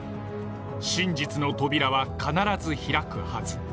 真実の扉は必ず開くはず。